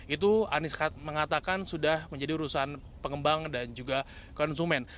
itu anies mengatakan sudah menjadi urusan pengembang dan juga konsumen